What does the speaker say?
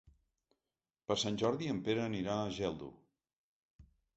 Per Sant Jordi en Pere anirà a Geldo.